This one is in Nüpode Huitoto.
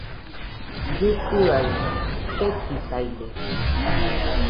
Llikɨaɨ ketisaide